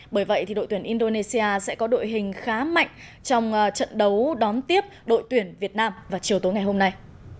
bởi vậy đội tuyển indonesia sẽ có đội hình khá mạnh trong trận đấu đón tiếp đội tuyển việt nam vào chiều tối ngày hôm nay